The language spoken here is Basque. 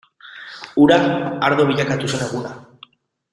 Ura ardo bilakatu zen eguna.